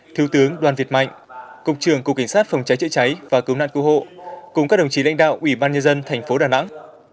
thiếu tướng đoàn việt mạnh cục trưởng cục cảnh sát phòng cháy chữa cháy và cứu nạn cứu hộ cùng các đồng chí lãnh đạo ủy ban nhân dân thành phố đà nẵng